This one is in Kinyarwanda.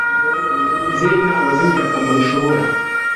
izindi nama z ingirakamaro ushobora